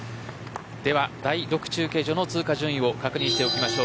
第６中継所の通過順位を確認しておきましょう。